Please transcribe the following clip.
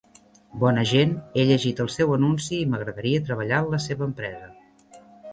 Bona gent, he llegit el seu anunci i m'agradaria treballar en la seva empresa.